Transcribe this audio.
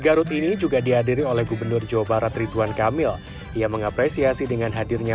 garut ini juga dihadiri oleh gubernur jawa barat ridwan kamil ia mengapresiasi dengan hadirnya